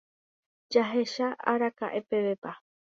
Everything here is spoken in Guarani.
Jahecha araka'epevépa.